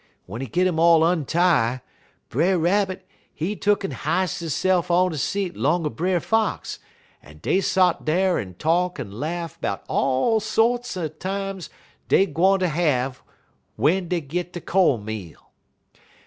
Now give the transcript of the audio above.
W'en he git um all ontie, Brer Rabbit, he tuck'n h'ist hisse'f on de seat 'long er Brer Fox, un dey sot dar un talk un laugh 'bout de all sorts er times dey gwine ter have w'en dey git de co'n meal.